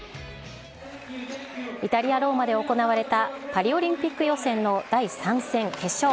イタリア・ローマで行われたパリオリンピック予選の第３戦決勝。